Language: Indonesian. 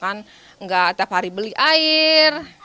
masyarakat kita juga kan nggak tiap hari beli air